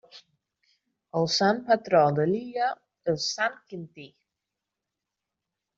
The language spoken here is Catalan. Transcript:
El sant patró de l'illa es Sant Quintí.